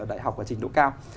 đại học ở trình độ cao